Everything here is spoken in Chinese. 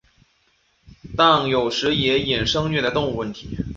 但有时也衍生虐待动物问题。